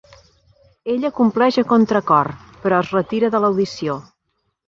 Ella compleix a contracor, però es retira de l'audició.